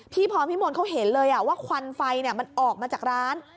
พรพิมนต์เขาเห็นเลยว่าควันไฟมันออกมาจากร้าน